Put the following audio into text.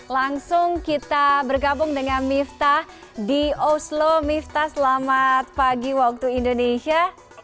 langsung kita bergabung dengan miftah di oslo miftah selamat pagi waktu indonesia